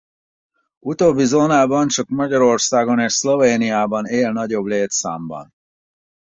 Utóbbi zónában csak Magyarországon és Szlovéniában él nagyobb létszámban.